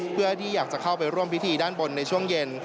เพื่อที่อยากจะเข้าไปร่วมพิธีด้านบนในช่วงเย็น